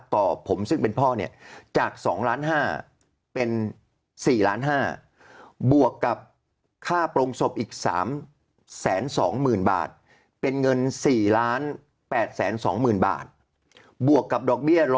ต่อผมซึ่งเป็นพ่อเนี่ยจาก๒ล้าน๕เป็น๔ล้าน๕บวกกับค่าโปรงศพอีก๓๒๐๐๐บาทเป็นเงิน๔๘๒๐๐๐บาทบวกกับดอกเบี้ย๑๐๐